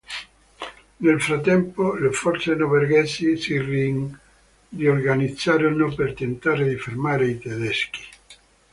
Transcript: Nel frattempo, le forze norvegesi si riorganizzarono per tentare di fermare i tedeschi.